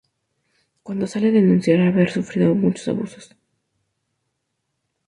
Cuando sale denuncia haber sufrido abusos.